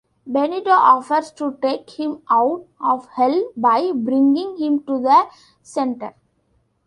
Benito offers to take him out of Hell by bringing him to the center.